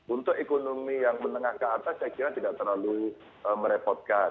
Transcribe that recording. untuk ekonomi yang menengah ke atas saya kira tidak terlalu merepotkan